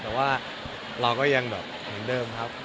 แต่ว่าเราก็ยังแบบเหมือนเดิมครับ